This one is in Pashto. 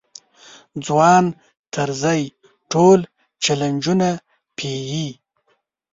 ځوان طرزی ټول چلنجونه پېيي.